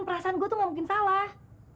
perasaan gue tuh gak mungkin salah